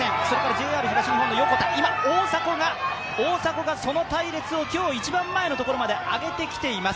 ＪＲ東日本の横田、今、大迫がその隊列を今日一番前のところまで上げてきています